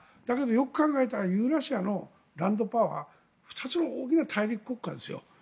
だけどよく考えたらユーラシアのランドパワー２つの大きな大陸国家ですよ。